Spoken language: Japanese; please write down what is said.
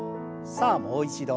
さあもう一度。